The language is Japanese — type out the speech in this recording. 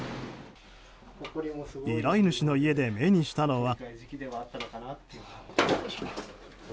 依頼主の家で目にしたのは。